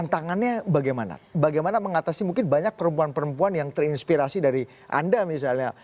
tantangannya bagaimana mengatasi mungkin banyak perempuan perempuan yang terinspirasi dari anda misalnya